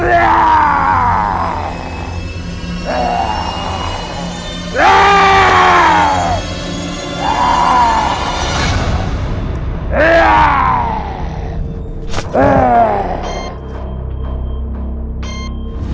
dia bukan tandinganmu